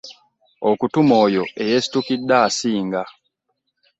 Okutuma oyo eyeesitukidde asinga.